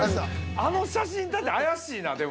◆あの写真立て怪しいな、でも。